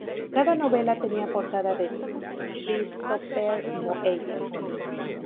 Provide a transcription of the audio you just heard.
Cada novela tenía portada de Christopher Moeller.